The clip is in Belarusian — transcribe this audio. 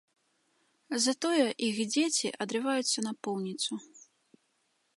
Затое іх дзеці адрываюцца напоўніцу.